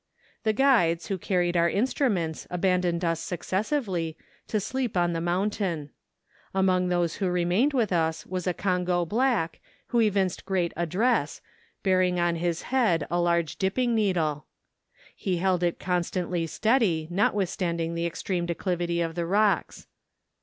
The guides, who carried our in¬ struments, abandoned us successively, to sleep on the mountain. Among those who remained with THE SILLA OF CARACAS. 287 us was a Congo black, who evinced great address, bearing on his head a large dipping needle : he held it constantly steady, notwithstanding the extreme declivity of the rocks.